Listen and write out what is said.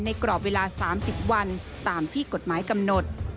กรอบเวลา๓๐วันตามที่กฎหมายกำหนด